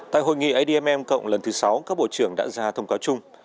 tại hội nghị admm cộng lần thứ sáu các bộ trưởng đã ra thông cáo chung